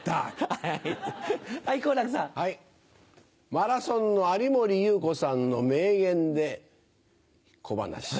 マラソンの有森裕子さんの名言で小噺。